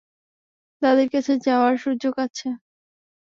দাদীর কাছে যাওয়ার সুযোগ আছে।